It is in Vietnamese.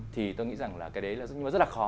thì tôi nghĩ rằng là cái đấy là rất là khó